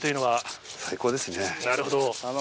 なるほど。